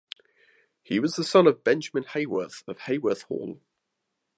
He was the son of Benjamin Haworth of Haworth Hall.